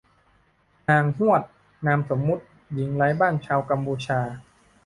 นางฮวด นามสมมติ หญิงไร้บ้านชาวกัมพูชา